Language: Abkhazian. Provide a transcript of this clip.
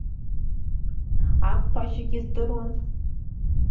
Ақәԥашьагь здыруан!